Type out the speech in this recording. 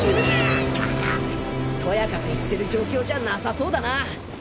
とやかく言ってる状況じゃなさそうだな。